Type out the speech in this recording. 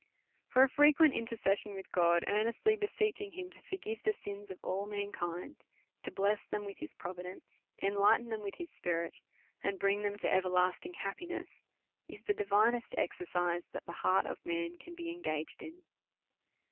For a frequent intercession with God, earnestly be seeching him to forgive tlic sins of all mankiiui, to bless them with his providence, eniightea tlicm with 294 A SERIOUS CALL TO A his Spirit, and bring them to everlasting liappiness, is the divinest exercise that the heart of man can be en gaged in.